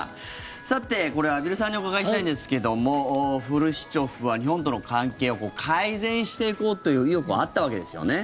さて、これは畔蒜さんにお伺いしたいんですがフルシチョフは日本との関係を改善していこうという意欲はあったわけですよね。